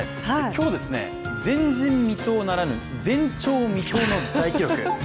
今日、前人未到ならぬ前鳥未到の大記録